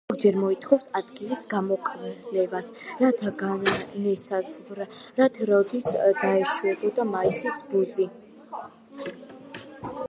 ზოგჯერ მოითხოვდა ადგილის გამოკვლევას, რათა განესაზღვრათ, როდის დაეშვებოდა მაისის ბუზი.